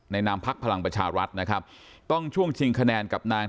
ในนามภักดิ์พลังประชารัฐต้องช่วงชิงคะแนนกับนาง